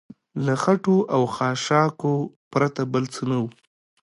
له خټو او خاشاکو پرته بل څه نه و.